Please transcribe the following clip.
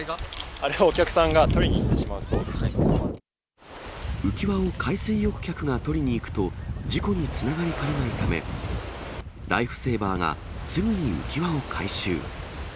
あれをお客さんが取りに行っ浮き輪を海水浴客が取りに行くと、事故につながりかねないため、ライフセーバーがすぐに浮き輪を回収。